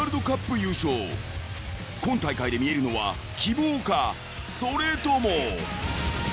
［今大会で見えるのは希望かそれとも］